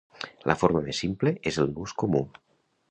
La forma més simple és el nus comú.